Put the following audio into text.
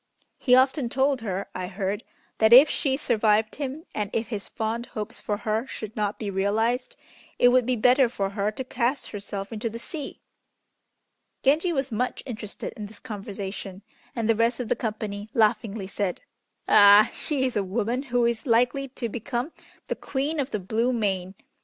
He often told her, I heard, that if she survived him, and if his fond hopes for her should not be realized, it would be better for her to cast herself into the sea." Genji was much interested in this conversation, and the rest of the company laughingly said, "Ah! she is a woman who is likely to become the Queen of the Blue Main.